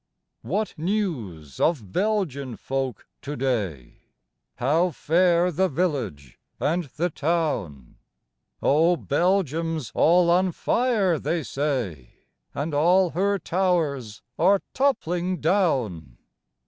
What news of Belgian folk to day ? How fare the village and the town ? Belgium's all on fire they say, And all her towers are toppling down.